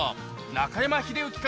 中山秀征君